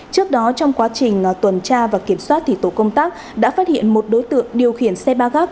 trước đó trong quá trình tuần tra và kiểm soát tổ công tác đã phát hiện một đối tượng điều khiển xe ba gác